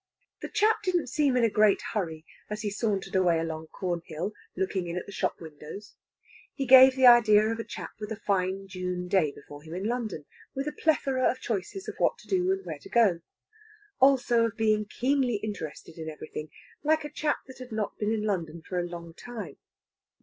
The chap didn't seem in a great hurry as he sauntered away along Cornhill, looking in at the shop windows. He gave the idea of a chap with a fine June day before him in London, with a plethora of choices of what to do and where to go. Also of being keenly interested in everything, like a chap that had not been in London for a long time.